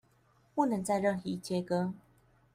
不能再任意切割